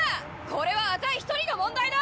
これはあたい一人の問題だ！